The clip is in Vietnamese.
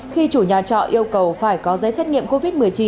khi chủ nhà trọ yêu cầu phải có giấy xét nghiệm covid một mươi chín